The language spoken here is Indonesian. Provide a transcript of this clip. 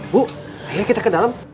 bu ayo kita ke dalam